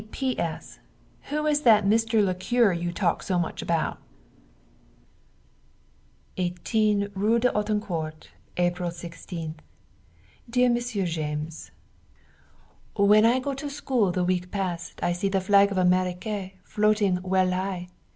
P.P.P.S. Who is that Mr. le Cure you talk so much about? 18 rue d'Autancourt. April 16. Dear Monsieur James: When I go to school the week past I see the flag of Amerique floating well high!